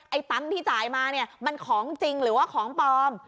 ตังค์ที่จ่ายมาเนี่ยมันของจริงหรือว่าของปลอม